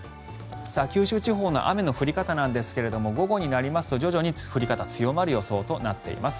九州地方の雨の降り方ですが午後になりますと徐々に降り方強まる予想となっています。